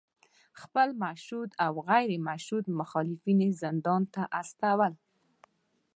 خپل مشهود او غیر مشهود مخالفین زندان ته استول